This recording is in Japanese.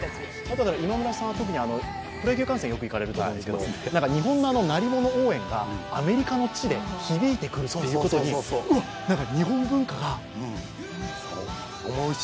今村さんは、プロ野球観戦によく行かれると思うんですけど、日本の鳴り物応援がアメリカの地で響いてくるということにうわっ、日本文化が。